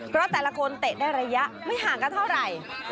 เพราะแต่ละคนเตะได้ระยะไม่ห่างกันเท่าไหร่